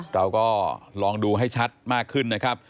เราก็ลองดูให้ชัดมากขึ้นนะครับ